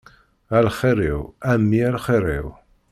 A lxir-iw, a mmi a lxir-iw.